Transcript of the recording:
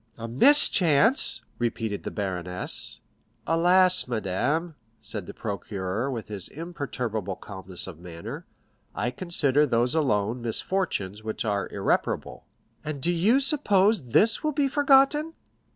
"A mischance?" repeated the baroness. "Alas, madame," said the procureur with his imperturbable calmness of manner, "I consider those alone misfortunes which are irreparable." "And do you suppose this will be forgotten?"